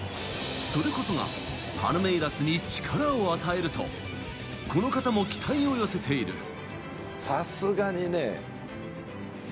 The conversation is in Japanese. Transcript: それこそがパルメイラスに力を与えると、この方も期待を寄せている。